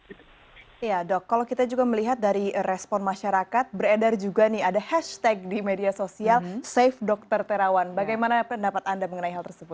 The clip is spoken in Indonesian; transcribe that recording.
iya dok kalau kita juga melihat dari respon masyarakat beredar juga nih ada hashtag di media sosial safe dr terawan bagaimana pendapat anda mengenai hal tersebut